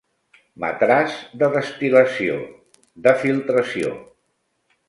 Matràs de destil·lació, de filtració.